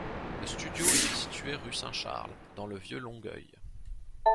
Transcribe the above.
Le studio était situé rue St-Charles, dans le Vieux-Longueuil.